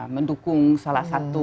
mendukung salah satu